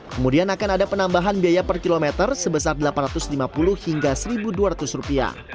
kemudian akan ada penambahan biaya per kilometer sebesar rp delapan ratus lima puluh hingga rp satu dua ratus